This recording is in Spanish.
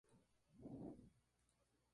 Las marismas de Mai Po están en su estuario.